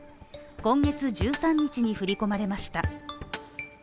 今月１３日に振り込まれました。